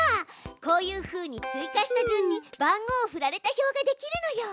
こういうふうに追加した順に番号をふられた表ができるのよ。